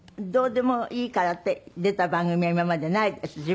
どうでもいいからって出た番組は今までないです。